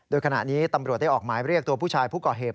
โดยขณะนี้ตำรวจได้ออกหมายเรียกตัวผู้ชายผู้ก่อเหตุ